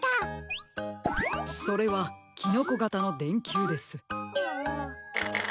それはキノコがたのでんきゅうです。